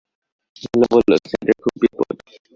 নীলু বলল, স্যারের খুব বিপদ।